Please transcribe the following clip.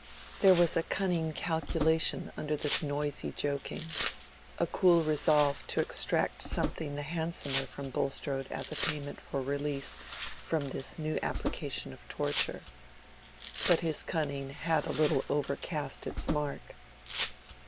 There was a cunning calculation under this noisy joking—a cool resolve to extract something the handsomer from Bulstrode as payment for release from this new application of torture. But his cunning had a little overcast its mark.